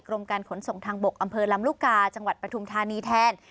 กรมการขนส่งทางบกอำเภอลำลูกกาจังหวัดปฐุมธานีแทน